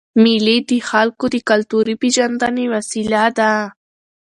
مېلې د خلکو د کلتوري پېژندني وسیله ده.